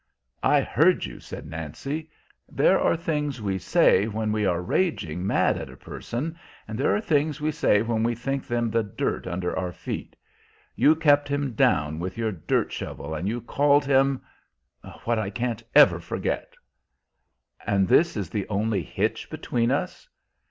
"I heard you," said Nancy. "There are things we say when we are raging mad at a person, and there are things we say when we think them the dirt under our feet. You kept him down with your dirt shovel, and you called him what I can't ever forget." "And is this the only hitch between us?"